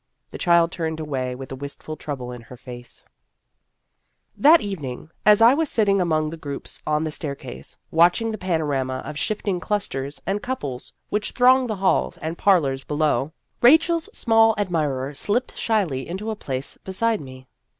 The child turned away with a wistful trouble in her face. 92 Vassar Studies That evening, as I was sitting among the groups on the staircase, watching the panorama of shifting clusters and couples which thronged the halls and parlors be low, Rachel's small admirer slipped shyly into a place beside me.